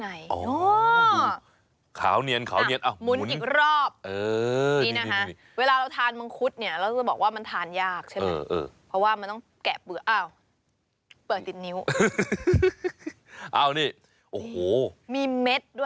ไอศติมนี่ก็หน้าตาแบบน่ารักแบบสุนัข